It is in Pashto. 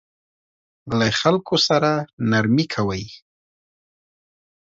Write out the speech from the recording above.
له خلکو سره نرمي کوئ